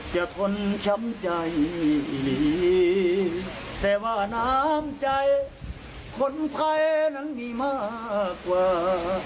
ว่าน้ำใจคนไทยนั้นมีมากกว่า